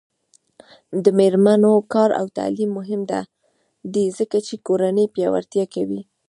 د میرمنو کار او تعلیم مهم دی ځکه چې کورنۍ پیاوړتیا کوي.